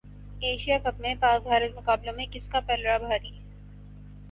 Asia cup میں پاک بھارت مقابلوں میں کس کا پلڑا بھاری